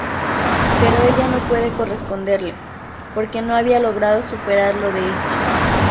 Pero ella no puede corresponderle, porque no había logrado superar lo de Ichi.